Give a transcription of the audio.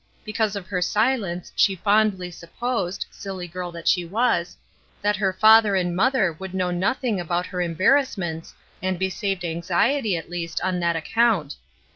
Because of her silence she fondly supposed, silly girl that she was, that her father and mother would know nothing about her embar rassments and be saved anxiety at least on that account.